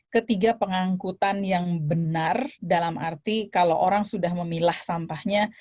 ketiga pengangkutan yang benar dalam arti kalau orang sudah memilah sampahnya